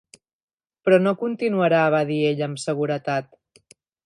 Però no continuarà, va dir ella amb seguretat.